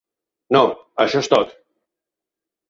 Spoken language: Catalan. No, això és tot!